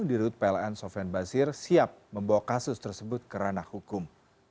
di rut pln sofian basir siap membawa kasus tersebut ke ranah hukum